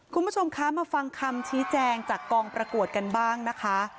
คุณผู้ชมคะมาฟังคำชี้แจงจากกองประกวดกันบ้างนะคะ